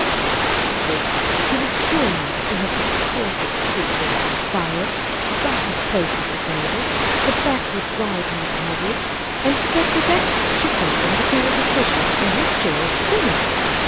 Besides which, he was sure now to have the coldest seat around the fire, the darkest place at the table, the backward ride in the carriage, and to get the necks of chickens and the tails of fishes for his share of the dinner.